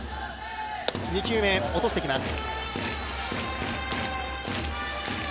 ２球目、落としてきます。